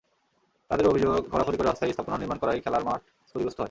তাঁদের অভিযোগ, খোঁড়াখুঁড়ি করে অস্থায়ী স্থাপনা নির্মাণ করায় খেলার মাঠ ক্ষতিগ্রস্ত হয়।